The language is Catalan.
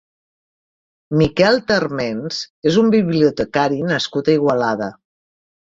Miquel Térmens és un bibliotecari nascut a Igualada.